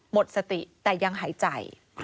หมดสติแต่ยังหายใจ